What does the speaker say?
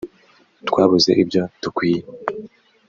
Twabuze ibyo dukwiye